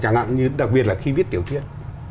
chẳng hạn như đặc biệt là khi viết tiểu tiết